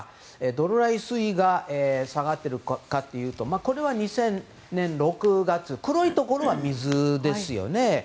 どのぐらい水位が下がっているかこれは２０００年６月で黒いところは水ですね。